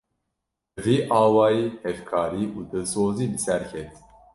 Bi vî awayî hevkarî û dilsozî bi ser ket